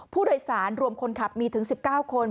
ผู้โดยสารรวมคนขับมีถึง๑๙คน